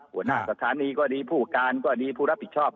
หัวหน้าสถานีก็ดีผู้การก็ดีผู้รับผิดชอบ